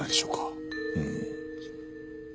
うん。